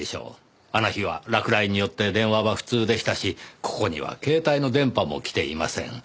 あの日は落雷によって電話は不通でしたしここには携帯の電波も来ていません。